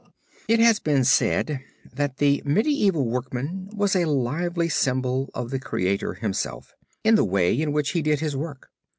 It has been said that the medieval workman was a lively symbol of the Creator Himself, in the way in which he did his work.